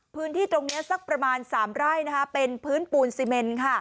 พื้นที่ตรงนี้สักประมาณ๓ไร่เป็นพื้นปูนซีเมน